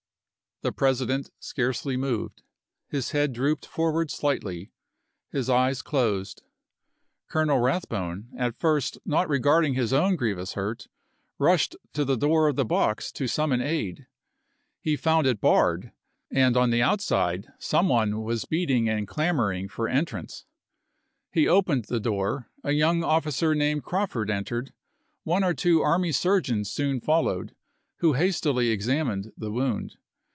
The President scarcely moved ; his head drooped forward slightly, his eyes closed. Colonel Eath bone, at first not regarding his own grievous hurt, rushed to the door of the box to summon aid. He found it barred, and on the outside some one was beating and clamoring for entrance. He opened the door ; a young officer named Crawford entered; one or two army surgeons soon followed, who hastily examined the wound.